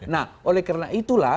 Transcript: nah oleh karena itulah